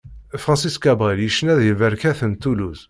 Francis Cabrel yecna deg lberkat n Toulouse.